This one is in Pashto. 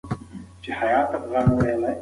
حیات الله په خپله ځوانۍ کې ډېرې منډې کړې وې.